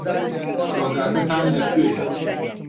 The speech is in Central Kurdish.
کۆگاکەتان لەکوێیە؟